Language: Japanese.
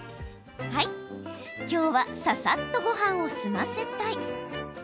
今日は、ささっとごはんを済ませたい。